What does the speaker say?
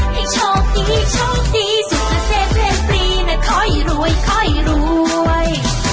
ให้ชมดีชมดีสุดสเตษเพื่อนปรีนะขอยรวยขอยรวย